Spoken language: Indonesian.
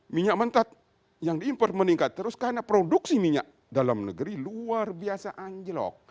minyak mentah yang diimpor meningkat terus karena produksi minyak dalam negeri luar biasa anjlok